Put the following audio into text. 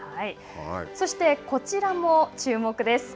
そして、こちらも注目です。